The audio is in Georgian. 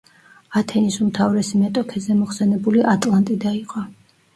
ათენის უმთავრესი მეტოქე ზემო ხსენებული ატლანტიდა იყო.